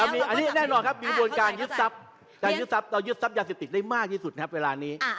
มาที่คุณชัยวุทธ์ค่ะคุณชัยวุทธ์เหมือนจะเสริมเรื่องนี้